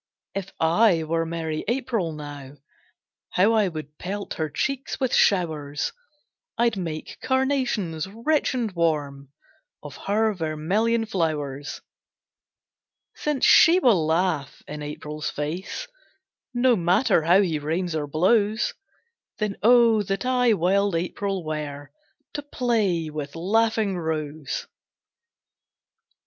If I were merry April now, How I would pelt her cheeks with showers; I'd make carnations, rich and warm, Of her vermilion flowers. Since she will laugh in April's face, No matter how he rains or blows Then O that I wild April were, To play with laughing Rose.